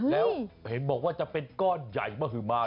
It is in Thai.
แล้วเห็นบอกว่าจะเป็นก้อนใหญ่มหมา